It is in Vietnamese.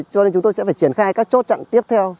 cho nên chúng tôi sẽ phải triển khai các chốt chặn tiếp theo